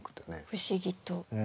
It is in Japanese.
不思議と。